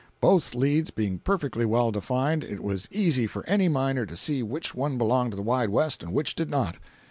Both leads being perfectly well defined, it was easy for any miner to see which one belonged to the Wide West and which did not.